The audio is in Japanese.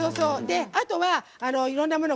あとは、いろんなもの